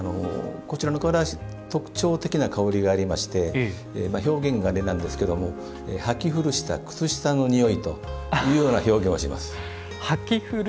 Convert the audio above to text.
特徴的な香りがありまして表現があれなんですが履き古した靴下のにおいというような表現をします。